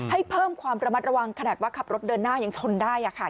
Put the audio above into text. ให้เพิ่มความระมัดระวังขนาดว่าขับรถเดินหน้ายังชนได้ค่ะ